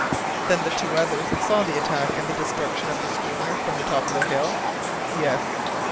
"Then the two others saw the attack, and the destruction of the schooner, from the top of the hill?" "Yes."